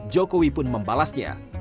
jokowi pun membalasnya